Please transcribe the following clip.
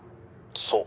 そう。